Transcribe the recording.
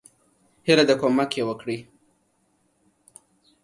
هیله ده کومک یی وکړي.